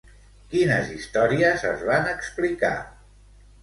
Quines històries es van explicar?